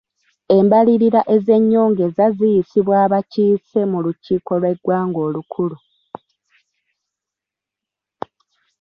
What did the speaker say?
Embalirira ez'ennyongeza ziyisibwa abakiise mu lukiiko lw'eggwanga olukulu.